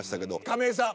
亀井さん